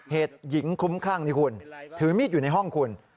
เหตุหญิงคุ้มคลั่งนี่คุณถือมีดอยู่ในห้องคุณ